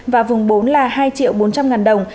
và vùng bốn là hai triệu bốn trăm linh ngàn đồng